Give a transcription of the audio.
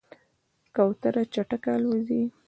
کوتره چټکه الوزي.